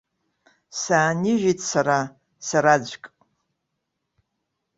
Саанижьит сара, сараӡәк.